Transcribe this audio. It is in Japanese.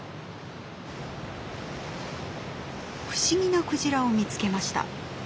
不思議なクジラを見つけました。